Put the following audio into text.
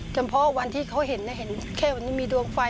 เฉพาะวันที่เขาเห็นเห็นแค่วันนี้มีดวงไฟ